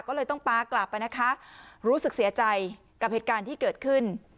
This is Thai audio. ก็เลยต้องป๊ากลับมานะคะรู้สึกเสียใจกับเหตุการณ์ที่เกิดขึ้น